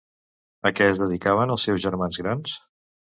A què es dedicaven els seus germans grans?